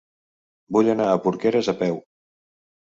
Vull anar a Porqueres a peu.